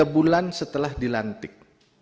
tiga bulan setelah dilantik